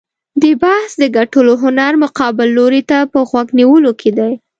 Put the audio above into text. د بحث د ګټلو هنر مقابل لوري ته په غوږ نیولو کې دی.